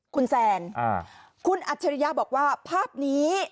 คุณแซนคุณอัจฉริยะบอกว่าภาพนี้